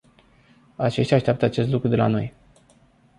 Aceștia așteaptă acest lucru de la noi.